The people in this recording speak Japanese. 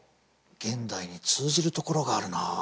現代に通じるところがあるなあ。